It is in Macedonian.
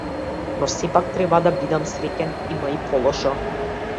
Но сепак, треба да бидам среќен, има и полошо.